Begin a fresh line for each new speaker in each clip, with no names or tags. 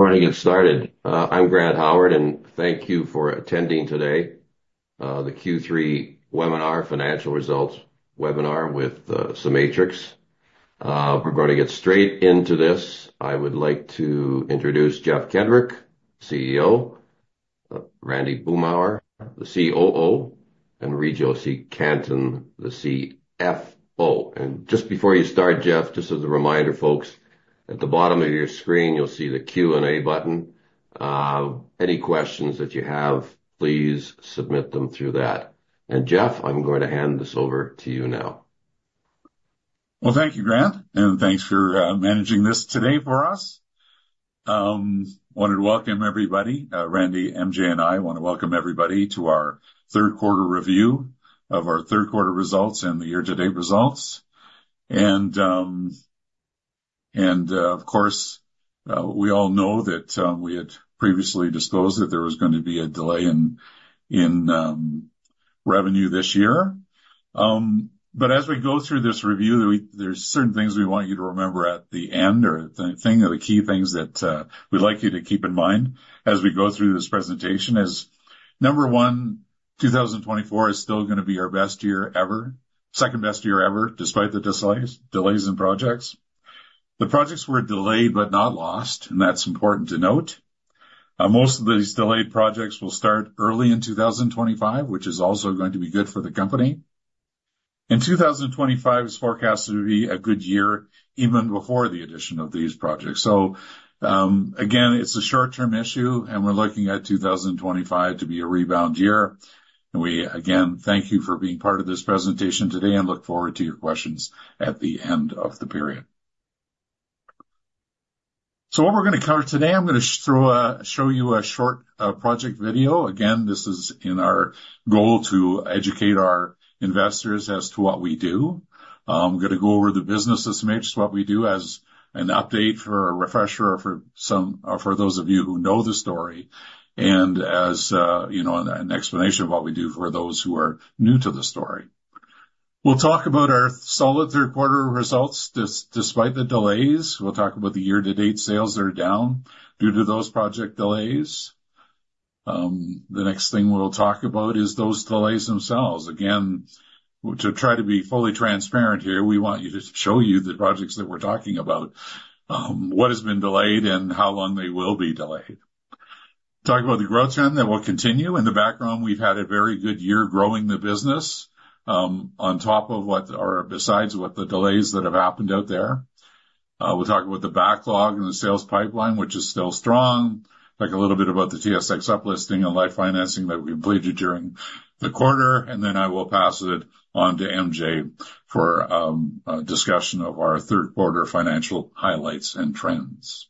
We're going to get started. I'm Grant Howard, and thank you for attending today the Q3 webinar, Financial Results webinar with CEMATRIX. We're going to get straight into this. I would like to introduce Jeff Kendrick, CEO, Randy Boomhour, the COO, and Marie-Josée Cantin, the CFO, and just before you start, Jeff, just as a reminder, folks, at the bottom of your screen, you'll see the Q&A button. Any questions that you have, please submit them through that. And Jeff, I'm going to hand this over to you now.
Thank you, Grant, and thanks for managing this today for us. I wanted to welcome everybody. Randy, MJ, and I want to welcome everybody to our third quarter review of our third quarter results and the year-to-date results. Of course, we all know that we had previously disclosed that there was going to be a delay in revenue this year. As we go through this review, there are certain things we want you to remember at the end, or the key things that we'd like you to keep in mind as we go through this presentation, is number one, 2024 is still going to be our best year ever, second best year ever, despite the delays in projects. The projects were delayed but not lost, and that's important to note. Most of these delayed projects will start early in 2025, which is also going to be good for the company, and 2025 is forecast to be a good year even before the addition of these projects, so again, it's a short-term issue, and we're looking at 2025 to be a rebound year, and we, again, thank you for being part of this presentation today and look forward to your questions at the end of the period. So what we're going to cover today. I'm going to show you a short project video. Again, this is in our goal to educate our investors as to what we do. I'm going to go over the business estimates, what we do as an update for a refresher for those of you who know the story, and as an explanation of what we do for those who are new to the story. We'll talk about our solid third quarter results despite the delays. We'll talk about the year-to-date sales that are down due to those project delays. The next thing we'll talk about is those delays themselves. Again, to try to be fully transparent here, we want to show you the projects that we're talking about, what has been delayed, and how long they will be delayed. Talk about the growth trend that will continue. In the background, we've had a very good year growing the business on top of what are besides what the delays that have happened out there. We'll talk about the backlog and the sales pipeline, which is still strong, like a little bit about the TSX uplisting and LIFE financing that we completed during the quarter, and then I will pass it on to MJ for a discussion of our third quarter financial highlights and trends.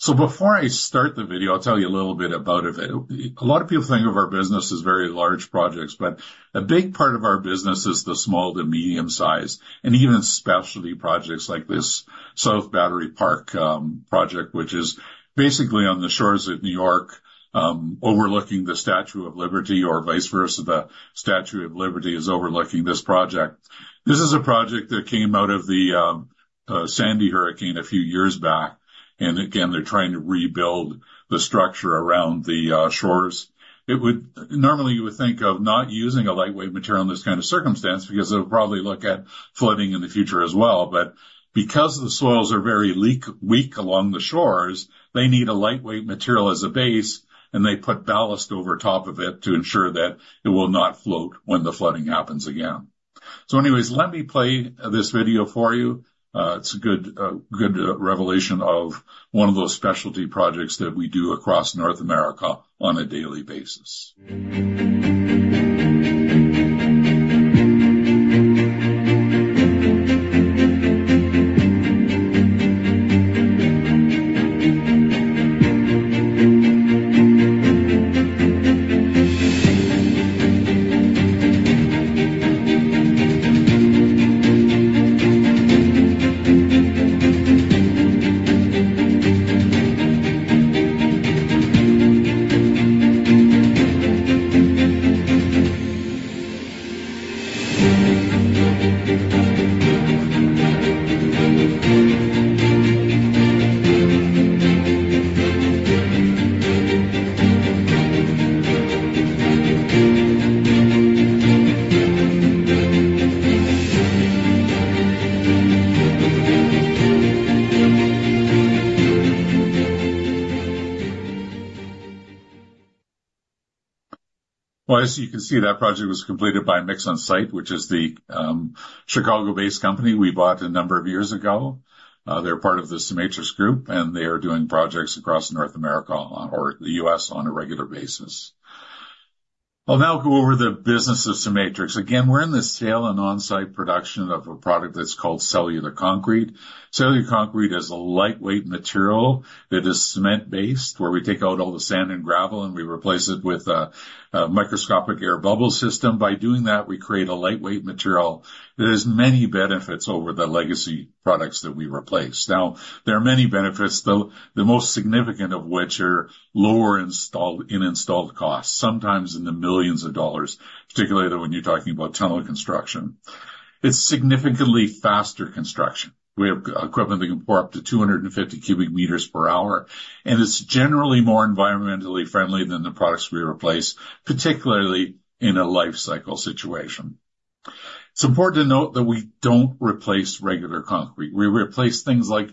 So before I start the video, I'll tell you a little bit about a lot of people think of our business as very large projects, but a big part of our business is the small to medium size, and even specialty projects like this South Battery Park City project, which is basically on the shores of New York, overlooking the Statue of Liberty, or vice versa, the Statue of Liberty is overlooking this project. This is a project that came out of the Hurricane Sandy a few years back. And again, they're trying to rebuild the structure around the shores. Normally, you would think of not using a lightweight material in this kind of circumstance because it'll probably look at flooding in the future as well. Because the soils are very weak along the shores, they need a lightweight material as a base, and they put ballast over top of it to ensure that it will not float when the flooding happens again. So anyways, let me play this video for you. It's a good revelation of one of those specialty projects that we do across North America on a daily basis. As you can see, that project was completed by MixOnSite, which is the Chicago-based company we bought a number of years ago. They're part of the CEMATRIX group, and they are doing projects across North America or the U.S. on a regular basis. I'll now go over the business of CEMATRIX. Again, we're in the sale and on-site production of a product that's called cellular concrete. Cellular concrete is a lightweight material that is cement-based, where we take out all the sand and gravel and we replace it with a microscopic air bubble system. By doing that, we create a lightweight material that has many benefits over the legacy products that we replace. Now, there are many benefits, though, the most significant of which are lower installed costs, sometimes in the millions of dollars, particularly when you're talking about tunnel construction. It's significantly faster construction. We have equipment that can pour up to 250 cubic meters per hour, and it's generally more environmentally friendly than the products we replace, particularly in a life cycle situation. It's important to note that we don't replace regular concrete. We replace things like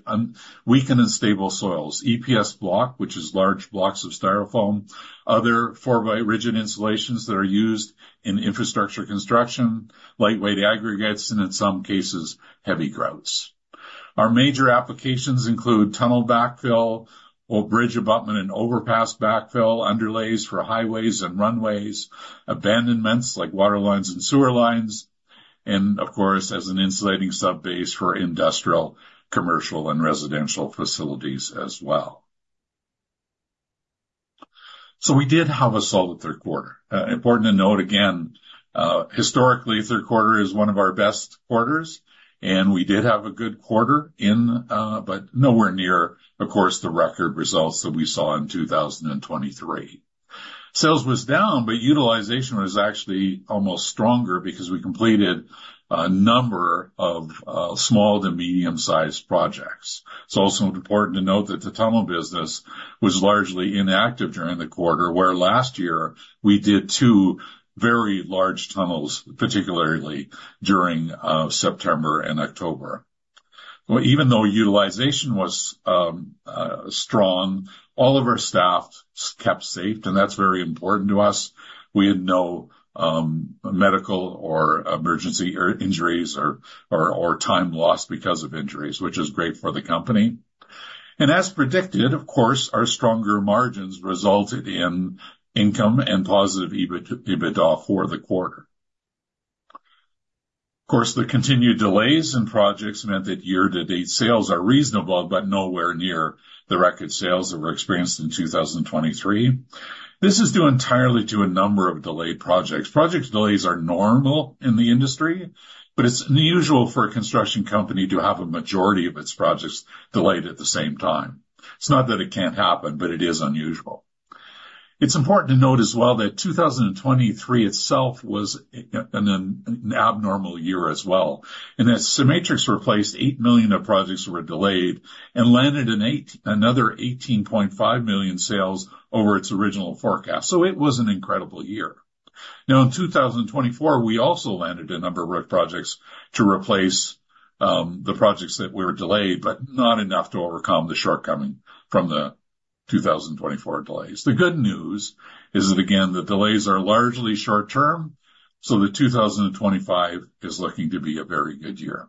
weak and unstable soils, EPS block, which is large blocks of Styrofoam, other 4x8 rigid insulations that are used in infrastructure construction, lightweight aggregates, and in some cases, heavy grouts. Our major applications include tunnel backfill or bridge abutment and overpass backfill, underlays for highways and runways, abandonments like water lines and sewer lines, and of course, as an insulating subbase for industrial, commercial, and residential facilities as well. We did have a solid third quarter. Important to note, again, historically, third quarter is one of our best quarters, and we did have a good quarter, but nowhere near, of course, the record results that we saw in 2023. Sales was down, but utilization was actually almost stronger because we completed a number of small to medium-sized projects. It's also important to note that the tunnel business was largely inactive during the quarter, where last year we did two very large tunnels, particularly during September and October. Even though utilization was strong, all of our staff kept safe, and that's very important to us. We had no medical or emergency injuries or time lost because of injuries, which is great for the company. And as predicted, of course, our stronger margins resulted in income and positive EBITDA for the quarter. Of course, the continued delays in projects meant that year-to-date sales are reasonable, but nowhere near the record sales that were experienced in 2023. This is due entirely to a number of delayed projects. Project delays are normal in the industry, but it's unusual for a construction company to have a majority of its projects delayed at the same time. It's not that it can't happen, but it is unusual. It's important to note as well that 2023 itself was an abnormal year as well, and that CEMATRIX replaced 8 million of projects that were delayed and landed another 18.5 million sales over its original forecast. So it was an incredible year. Now, in 2024, we also landed a number of projects to replace the projects that were delayed, but not enough to overcome the shortcoming from the 2024 delays. The good news is that, again, the delays are largely short-term, so the 2025 is looking to be a very good year.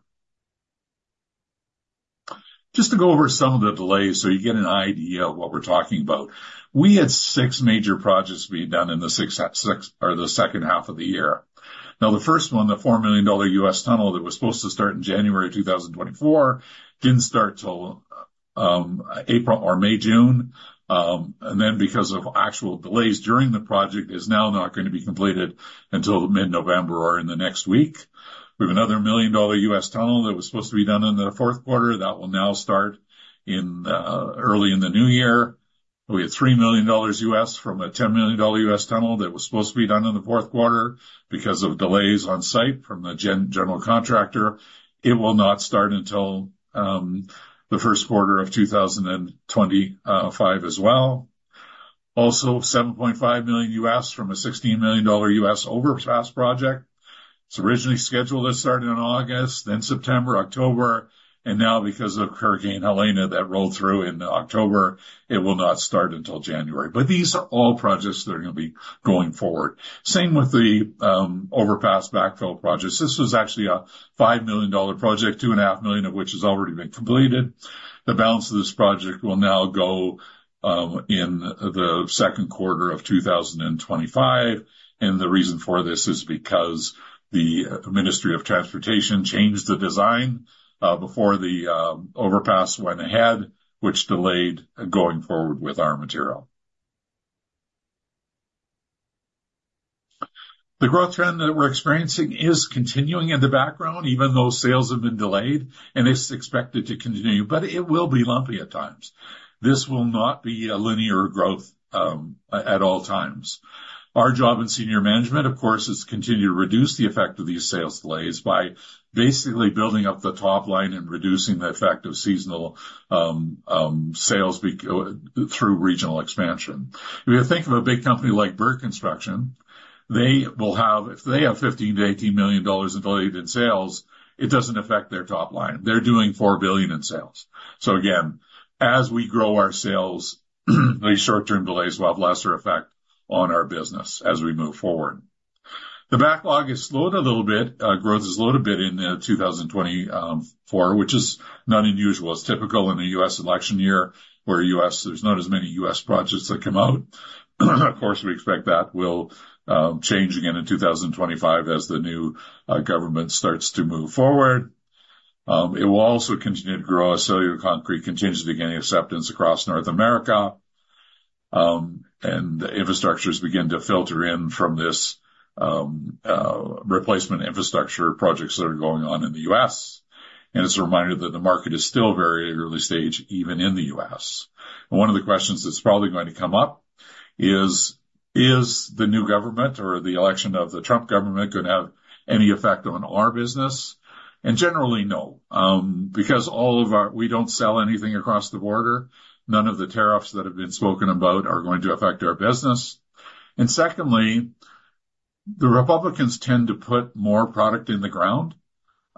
Just to go over some of the delays so you get an idea of what we're talking about, we had six major projects being done in the second half of the year. Now, the first one, the $4 million USD tunnel that was supposed to start in January 2024, didn't start till April or May, June. And then, because of actual delays during the project, is now not going to be completed until mid-November or in the next week. We have another $1 million USD tunnel that was supposed to be done in the fourth quarter that will now start early in the new year. We had $3 million USD from a $10 million USD tunnel that was supposed to be done in the fourth quarter because of delays on site from the general contractor. It will not start until the first quarter of 2025 as well. Also, $7.5 million USD from a $16 million USD overpass project. It's originally scheduled to start in August, then September, October, and now, because of Hurricane Helene that rolled through in October, it will not start until January. But these are all projects that are going to be going forward. Same with the overpass backfill projects. This was actually a $5 million project, $2.5 million of which has already been completed. The balance of this project will now go in the second quarter of 2025. And the reason for this is because the Ministry of Transportation changed the design before the overpass went ahead, which delayed going forward with our material. The growth trend that we're experiencing is continuing in the background, even though sales have been delayed, and it's expected to continue, but it will be lumpy at times. This will not be a linear growth at all times. Our job in senior management, of course, is to continue to reduce the effect of these sales delays by basically building up the top line and reducing the effect of seasonal sales through regional expansion. If you think of a big company like Burke Construction, if they have $15-$18 million in delayed sales, it doesn't affect their top line. They're doing $4 billion in sales. So again, as we grow our sales, the short-term delays will have lesser effect on our business as we move forward. The backlog is slowed a little bit. Growth is slowed a bit in 2024, which is not unusual. It's typical in a U.S. election year where there's not as many U.S. projects that come out. Of course, we expect that will change again in 2025 as the new government starts to move forward. It will also continue to grow as cellular concrete continues to gain acceptance across North America and infrastructures begin to filter in from this replacement infrastructure projects that are going on in the U.S., and it's a reminder that the market is still very early stage, even in the U.S. One of the questions that's probably going to come up is, the new government or the election of the Trump government going to have any effect on our business, and generally, no, because we don't sell anything across the border. None of the tariffs that have been spoken about are going to affect our business, and secondly, the Republicans tend to put more product in the ground,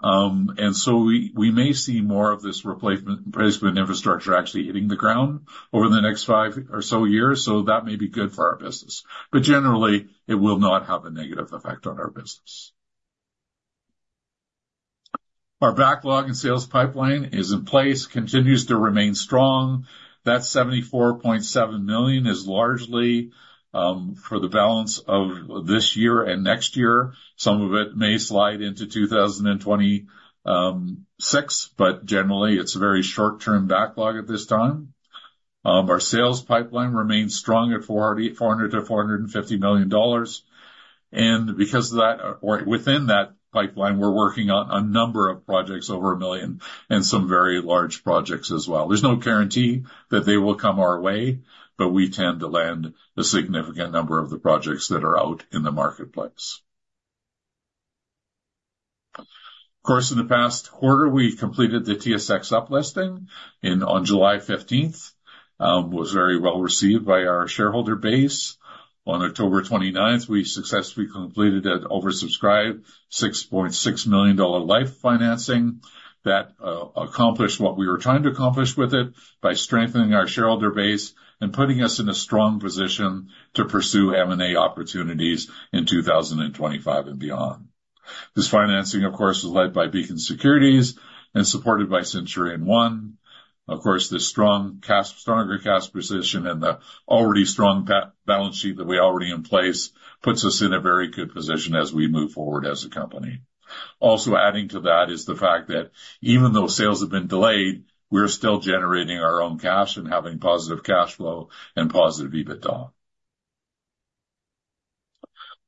and so we may see more of this replacement infrastructure actually hitting the ground over the next five or so years, so that may be good for our business. But generally, it will not have a negative effect on our business. Our backlog and sales pipeline is in place, continues to remain strong. That 74.7 million is largely for the balance of this year and next year. Some of it may slide into 2026, but generally, it's a very short-term backlog at this time. Our sales pipeline remains strong at 400-450 million dollars. And because of that, within that pipeline, we're working on a number of projects over a million and some very large projects as well. There's no guarantee that they will come our way, but we tend to land a significant number of the projects that are out in the marketplace. Of course, in the past quarter, we completed the TSX uplisting on July 15th. It was very well received by our shareholder base. On October 29th, we successfully completed an oversubscribed 6.6 million dollar LIFE financing that accomplished what we were trying to accomplish with it by strengthening our shareholder base and putting us in a strong position to pursue M&A opportunities in 2025 and beyond. This financing, of course, is led by Beacon Securities and supported by Centurion One. Of course, the stronger cash position and the already strong balance sheet that we already have in place puts us in a very good position as we move forward as a company. Also adding to that is the fact that even though sales have been delayed, we're still generating our own cash and having positive cash flow and positive EBITDA.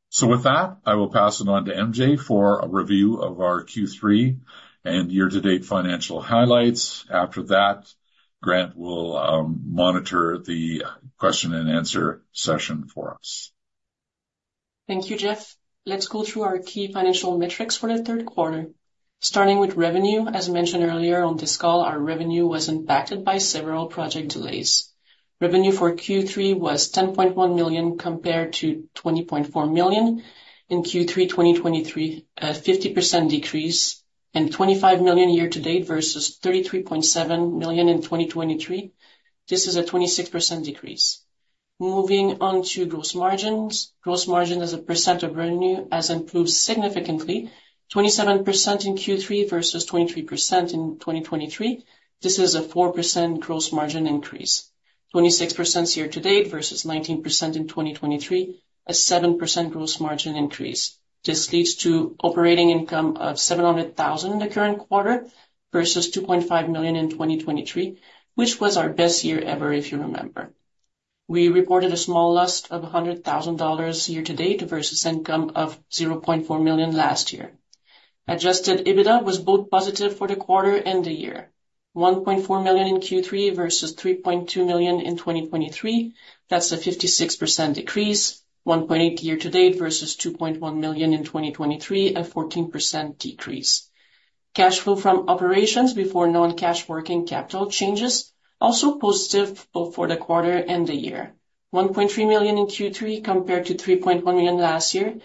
So with that, I will pass it on to MJ for a review of our Q3 and year-to-date financial highlights. After that, Grant will monitor the question and answer session for us.
Thank you, Jeff. Let's go through our key financial metrics for the third quarter. Starting with revenue, as mentioned earlier on this call, our revenue was impacted by several project delays. Revenue for Q3 was 10.1 million compared to 20.4 million in Q3 2023, a 50% decrease, and 25 million year-to-date versus 33.7 million in 2023. This is a 26% decrease. Moving on to gross margins. Gross margin as a percent of revenue has improved significantly, 27% in Q3 versus 23% in 2023. This is a 4% gross margin increase. 26% year-to-date versus 19% in 2023, a 7% gross margin increase. This leads to operating income of 700,000 in the current quarter versus 2.5 million in 2023, which was our best year ever, if you remember. We reported a small loss of 100,000 dollars year-to-date versus income of 0.4 million last year. Adjusted EBITDA was both positive for the quarter and the year. 1.4 million in Q3 versus 3.2 million in 2023. That's a 56% decrease. 1.8 year-to-date versus 2.1 million in 2023, a 14% decrease. Cash flow from operations before non-cash working capital changes also positive for the quarter and the year. 1.3 million in Q3 compared to 3.1 million last year.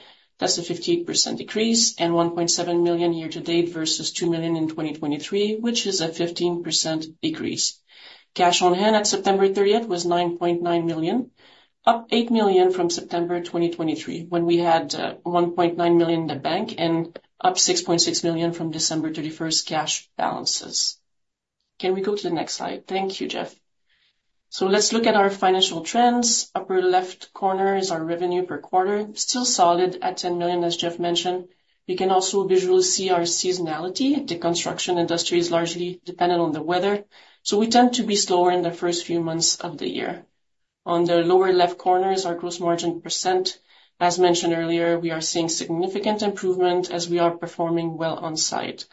That's a 58% decrease. $1.7 million year-to-date versus $2 million in 2023, which is a 15% decrease. Cash on hand at September 30th was 9.9 million, up 8 million from September 2023, when we had 1.9 million in the bank and up 6.6 million from December 31st cash balances. Can we go to the next slide? Thank you, Jeff. Let's look at our financial trends. Upper left corner is our revenue per quarter. Still solid at 10 million, as Jeff mentioned. We can also visually see our seasonality. The construction industry is largely dependent on the weather, so we tend to be slower in the first few months of the year. On the lower left corner is our gross margin %. As mentioned earlier, we are seeing significant improvement as we are performing well on site.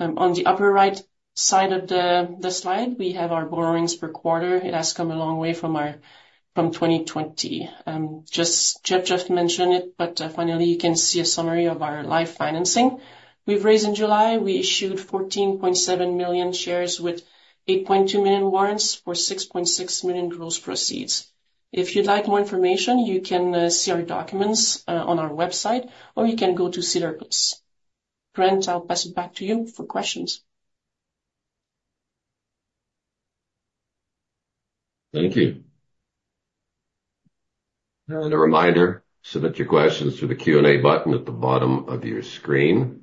On the upper right side of the slide, we have our backlog per quarter. It has come a long way from 2020. Jeff just mentioned it, but finally, you can see a summary of our LIFE financing. We've raised in July. We issued 14.7 million shares with 8.2 million warrants for 6.6 million gross proceeds. If you'd like more information, you can see our documents on our website, or you can go to SEDAR+. Grant, I'll pass it back to you for questions.
Thank you. A reminder, submit your questions to the Q&A button at the bottom of your screen.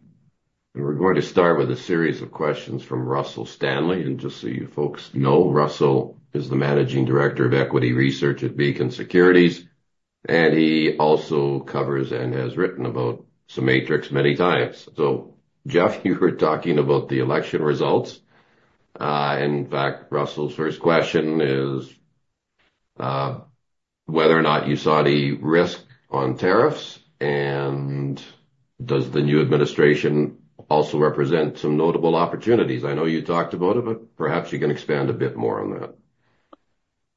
We're going to start with a series of questions from Russell Stanley. Just so you folks know, Russell is the Managing Director of Equity Research at Beacon Securities, and he also covers and has written about CEMATRIX many times. So Jeff, you were talking about the election results. In fact, Russell's first question is whether or not you saw any risk on tariffs, and does the new administration also represent some notable opportunities? I know you talked about it, but perhaps you can expand a bit more on that.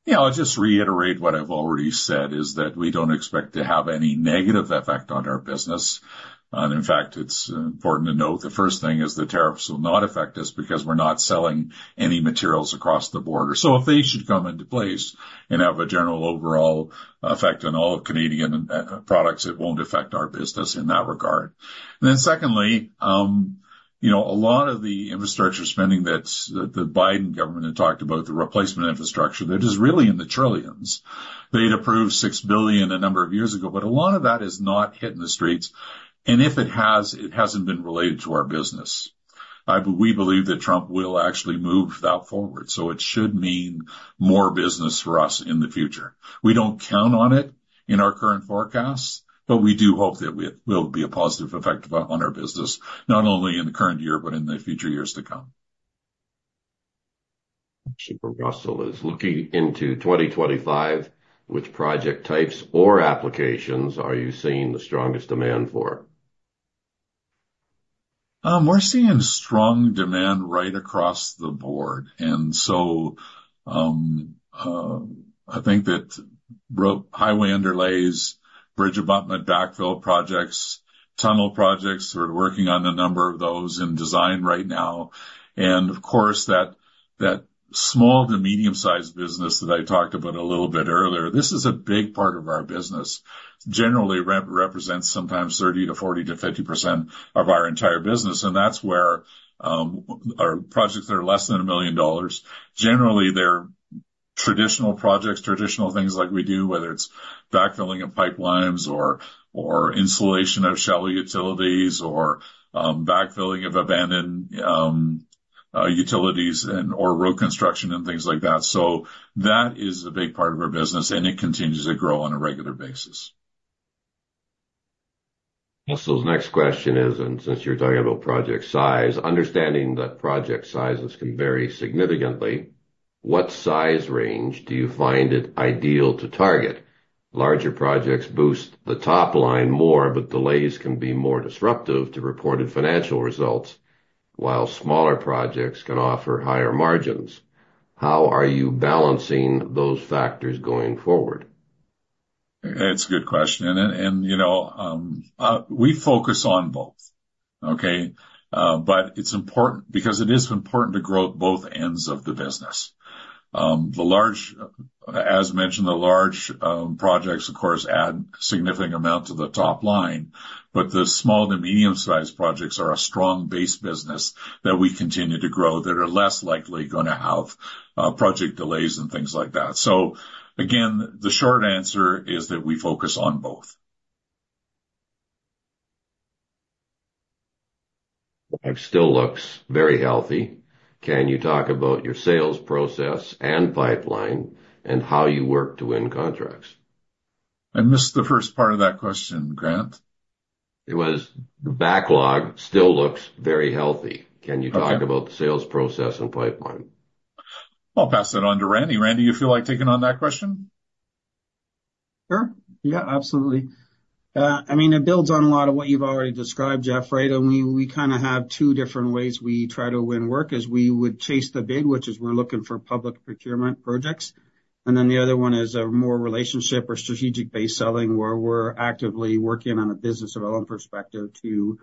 Yeah, I'll just reiterate what I've already said, is that we don't expect to have any negative effect on our business. And in fact, it's important to note the first thing is the tariffs will not affect us because we're not selling any materials across the border. So if they should come into place and have a general overall effect on all Canadian products, it won't affect our business in that regard. And then secondly, a lot of the infrastructure spending that the Biden government had talked about, the replacement infrastructure, that is really in the trillions. They'd approved $6 billion a number of years ago, but a lot of that is not hit in the streets. And if it has, it hasn't been related to our business. We believe that Trump will actually move that forward. So it should mean more business for us in the future. We don't count on it in our current forecasts, but we do hope that it will be a positive effect on our business, not only in the current year, but in the future years to come.
So, Russell is looking into 2025. Which project types or applications are you seeing the strongest demand for?
We're seeing strong demand right across the board. And so I think that highway underlays, bridge abutment backfill projects, tunnel projects, we're working on a number of those in design right now. And of course, that small to medium-sized business that I talked about a little bit earlier, this is a big part of our business. Generally, represents sometimes 30%-50% of our entire business. And that's where our projects that are less than $1 million. Generally, they're traditional projects, traditional things like we do, whether it's backfilling of pipelines or insulation of shallow utilities or backfilling of abandoned utilities or road construction and things like that. So that is a big part of our business, and it continues to grow on a regular basis.
Russell's next question is, and since you're talking about project size, understanding that project sizes can vary significantly, what size range do you find it ideal to target? Larger projects boost the top line more, but delays can be more disruptive to reported financial results, while smaller projects can offer higher margins. How are you balancing those factors going forward?
That's a good question. And we focus on both, okay? But it's important because it is important to grow both ends of the business. As mentioned, the large projects, of course, add a significant amount to the top line, but the small to medium-sized projects are a strong base business that we continue to grow that are less likely going to have project delays and things like that. So again, the short answer is that we focus on both.
It still looks very healthy. Can you talk about your sales process and pipeline and how you work to win contracts?
I missed the first part of that question, Grant.
It was the backlog still looks very healthy. Can you talk about the sales process and pipeline?
I'll pass that on to Randy. Randy, you feel like taking on that question?
Sure. Yeah, absolutely. I mean, it builds on a lot of what you've already described, Jeff. Right? And we kind of have two different ways we try to win work, as we would chase the bid, which is we're looking for public procurement projects. And then the other one is a more relationship or strategic-based selling where we're actively working on a business of our own perspective to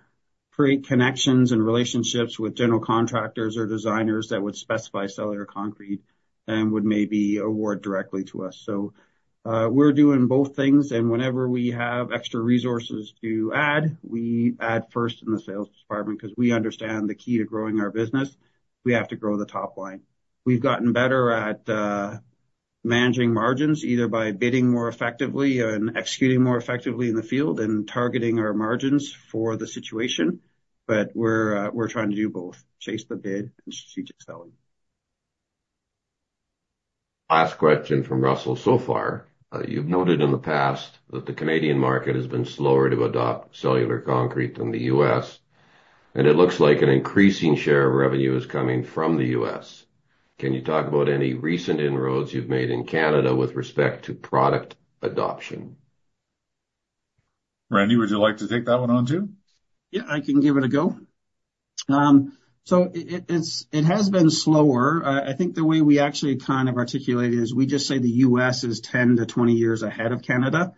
create connections and relationships with general contractors or designers that would specify cellular concrete and would maybe award directly to us. So we're doing both things. And whenever we have extra resources to add, we add first in the sales department because we understand the key to growing our business, we have to grow the top line. We've gotten better at managing margins, either by bidding more effectively and executing more effectively in the field and targeting our margins for the situation. But we're trying to do both, chase the bid and strategic selling.
Last question from Russell so far. You've noted in the past that the Canadian market has been slower to adopt cellular concrete than the U.S. And it looks like an increasing share of revenue is coming from the U.S. Can you talk about any recent inroads you've made in Canada with respect to product adoption?
Randy, would you like to take that one on too?
Yeah, I can give it a go. So it has been slower. I think the way we actually kind of articulate it is we just say the U.S. is 10 to 20 years ahead of Canada.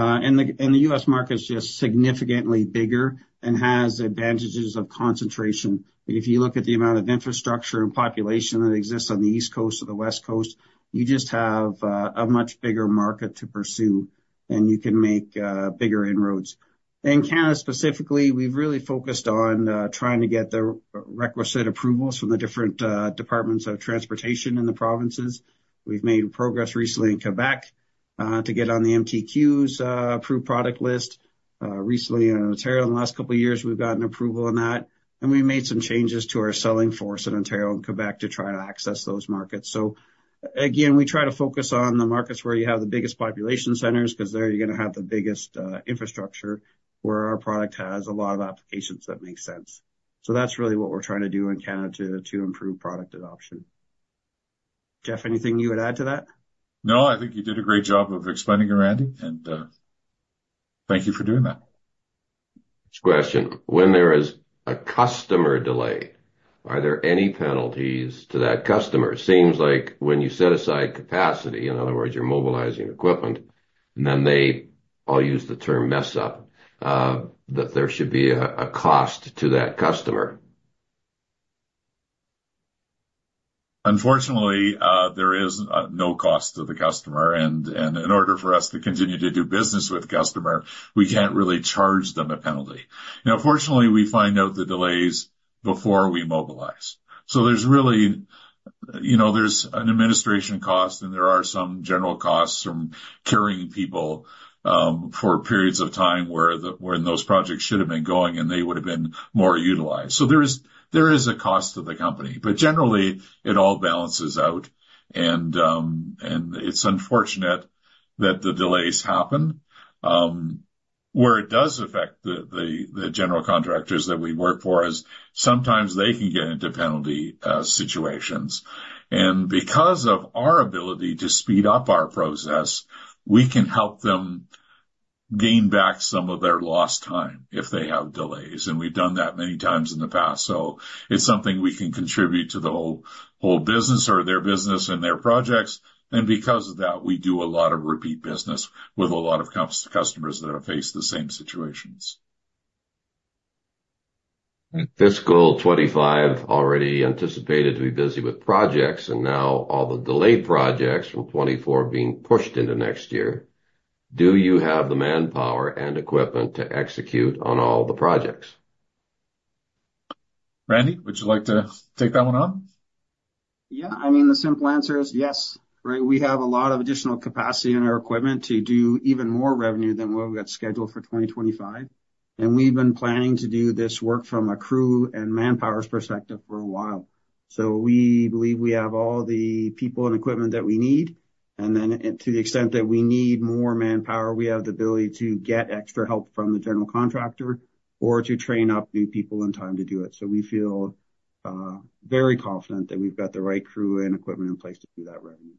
And the U.S. market is just significantly bigger and has advantages of concentration. If you look at the amount of infrastructure and population that exists on the East Coast or the West Coast, you just have a much bigger market to pursue, and you can make bigger inroads. In Canada specifically, we've really focused on trying to get the requisite approvals from the different departments of transportation in the provinces. We've made progress recently in Quebec to get on the MTQ's approved product list. Recently in Ontario, in the last couple of years, we've gotten approval on that, and we made some changes to our sales force in Ontario and Quebec to try to access those markets, so again, we try to focus on the markets where you have the biggest population centers because there you're going to have the biggest infrastructure where our product has a lot of applications that make sense. So that's really what we're trying to do in Canada to improve product adoption. Jeff, anything you would add to that?
No, I think you did a great job of explaining it, Randy, and thank you for doing that.
Next question. When there is a customer delay, are there any penalties to that customer? It seems like when you set aside capacity, in other words, you're mobilizing equipment, and then they, I'll use the term mess up, that there should be a cost to that customer.
Unfortunately, there is no cost to the customer, and in order for us to continue to do business with the customer, we can't really charge them a penalty. Now, fortunately, we find out the delays before we mobilize, so there's really an administration cost, and there are some general costs from carrying people for periods of time where those projects should have been going, and they would have been more utilized, so there is a cost to the company, but generally, it all balances out, and it's unfortunate that the delays happen. Where it does affect the general contractors that we work for is sometimes they can get into penalty situations. And because of our ability to speed up our process, we can help them gain back some of their lost time if they have delays. And we've done that many times in the past. So it's something we can contribute to the whole business or their business and their projects. And because of that, we do a lot of repeat business with a lot of customers that have faced the same situations.
Fiscal 2025 already anticipated to be busy with projects, and now all the delayed projects from 2024 being pushed into next year. Do you have the manpower and equipment to execute on all the projects?
Randy, would you like to take that one on?
Yeah. I mean, the simple answer is yes. We have a lot of additional capacity in our equipment to do even more revenue than what we've got scheduled for 2025. And we've been planning to do this work from a crew and manpower's perspective for a while. So we believe we have all the people and equipment that we need. And then to the extent that we need more manpower, we have the ability to get extra help from the general contractor or to train up new people in time to do it. So we feel very confident that we've got the right crew and equipment in place to do that revenue.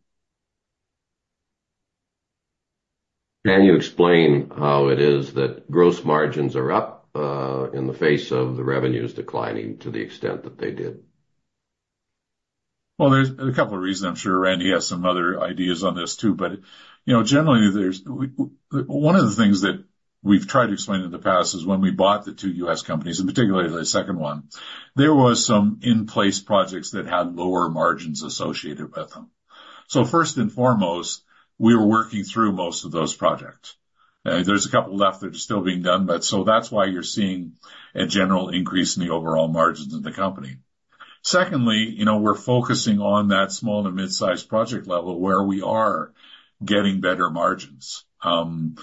Can you explain how it is that gross margins are up in the face of the revenues declining to the extent that they did?
Well, there's a couple of reasons. I'm sure Randy has some other ideas on this too. But generally, one of the things that we've tried to explain in the past is when we bought the two U.S. companies, in particular the second one, there were some in-place projects that had lower margins associated with them. So first and foremost, we were working through most of those projects. There's a couple left that are still being done. But so that's why you're seeing a general increase in the overall margins of the company. Secondly, we're focusing on that small to mid-sized project level where we are getting better margins. And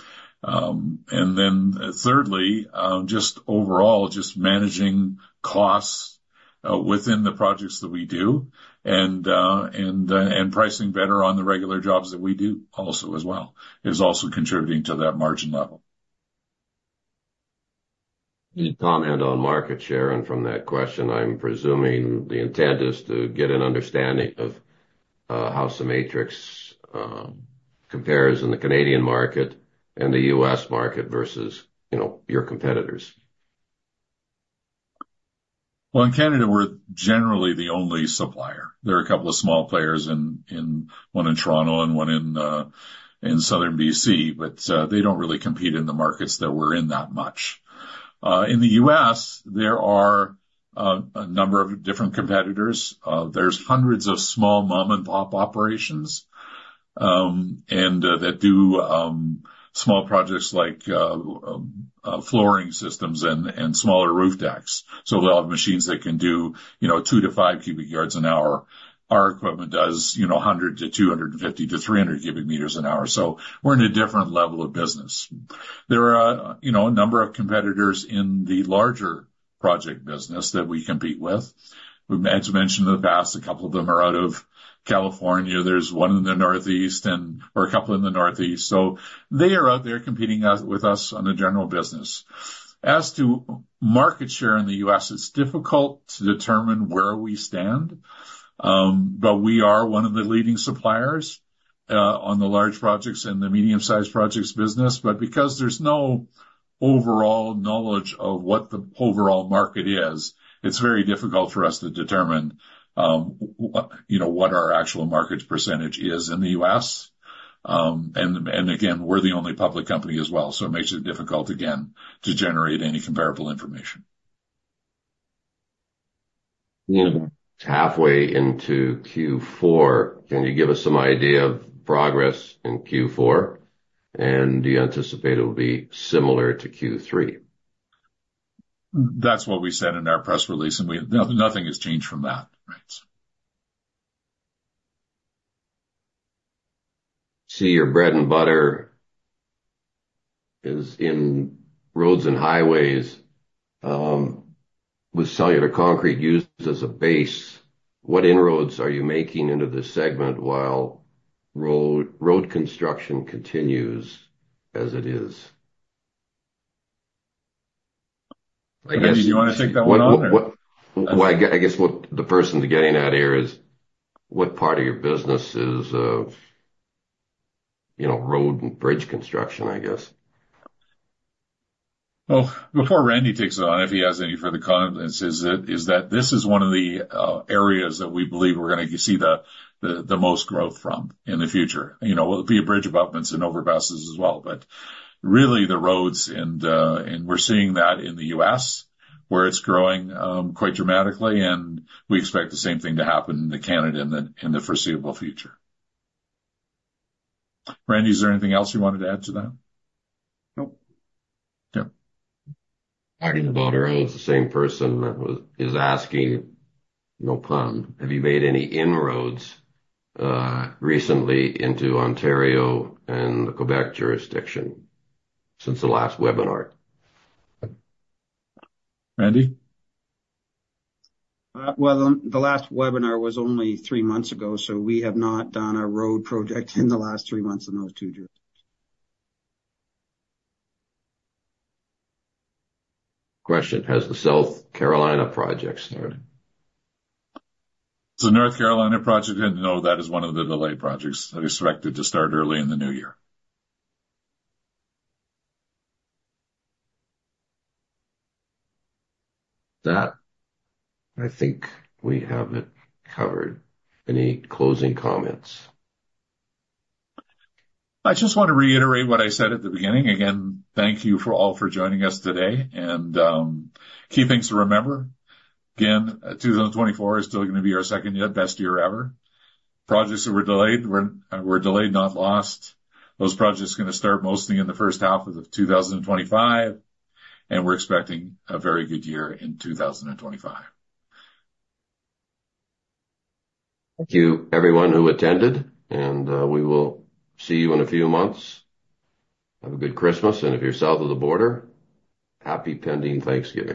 then thirdly, just overall, just managing costs within the projects that we do and pricing better on the regular jobs that we do also as well is also contributing to that margin level.
Any comment on market share? From that question, I'm presuming the intent is to get an understanding of how CEMATRIX compares in the Canadian market and the U.S. market versus your competitors.
Well, in Canada, we're generally the only supplier. There are a couple of small players, one in Toronto and one in southern BC, but they don't really compete in the markets that we're in that much. In the U.S., there are a number of different competitors. There's hundreds of small mom-and-pop operations that do small projects like flooring systems and smaller roof decks. So they'll have machines that can do two to five cubic yards an hour. Our equipment does 100 to 250 to 300 cubic meters an hour. So we're in a different level of business. There are a number of competitors in the larger project business that we compete with. We've mentioned in the past, a couple of them are out of California. There's one in the Northeast or a couple in the Northeast. So they are out there competing with us on the general business. As to market share in the U.S., it's difficult to determine where we stand, but we are one of the leading suppliers on the large projects and the medium-sized projects business. But because there's no overall knowledge of what the overall market is, it's very difficult for us to determine what our actual market percentage is in the U.S. And again, we're the only public company as well. So it makes it difficult again to generate any comparable information.
We're halfway into Q4. Can you give us some idea of progress in Q4? And do you anticipate it will be similar to Q3?
That's what we said in our press release. And nothing has changed from that.
See, your bread and butter is in roads and highways with cellular concrete used as a base. What inroads are you making into this segment while road construction continues as it is?
Randy, do you want to take that one on?
I guess the person getting out here is what part of your business is road and bridge construction, I guess?
Well, before Randy takes it on, if he has any further comments, is that this is one of the areas that we believe we're going to see the most growth from in the future. It will be bridge abutments and overpasses as well. But really, the roads, and we're seeing that in the U.S. where it's growing quite dramatically. And we expect the same thing to happen in Canada in the foreseeable future. Randy, is there anything else you wanted to add to that?
Nope.
Yeah.
Martin Boomhour is the same person that is asking, no pun, have you made any inroads recently into Ontario and the Quebec jurisdiction since the last webinar?
Randy?
Well, the last webinar was only three months ago. So we have not done a road project in the last three months in those two jurisdictions.
Question. Has the South Carolina project started?
The North Carolina project, no, that is one of the delayed projects that is expected to start early in the new year.
That I think we have it covered. Any closing comments?
I just want to reiterate what I said at the beginning. Again, thank you all for joining us today. And key things to remember, again, 2024 is still going to be our second best year ever. Projects that were delayed were delayed, not lost. Those projects are going to start mostly in the first half of 2025. And we're expecting a very good year in 2025.
Thank you, everyone who attended. And we will see you in a few months. Have a good Christmas. And if you're south of the border, happy pending Thanksgiving.